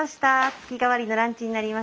月替わりのランチになります。